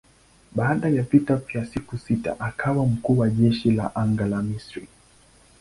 Baada ya vita ya siku sita akawa mkuu wa jeshi la anga la Misri.